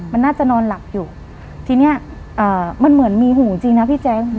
มันน่าจะนอนหลับอยู่ทีเนี้ยมันเหมือนมีหูจริงนะพี่แจ๊ค